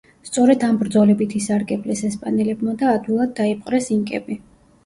სწორედ ამ ბრძოლებით ისარგებლეს ესპანელებმა და ადვილად დაიპყრეს ინკები.